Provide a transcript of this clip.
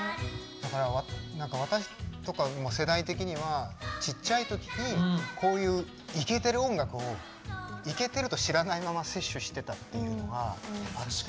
だから私とか世代的には小さいときにこういういけてる音楽をいけてると知らないまま摂取してたっていうのがあって。